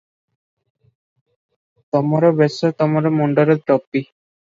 "ତମର ବେଶ- ତମ ମୁଣ୍ଡର ଟୋପି ।"